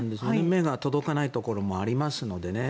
目が届かないところもありますのでね。